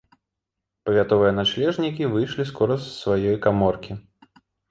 Павятовыя начлежнікі выйшлі скора з сваёй каморкі.